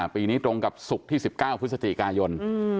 ปีนี้ตรงกับศุกร์ที่๑๙พฤศจิกายน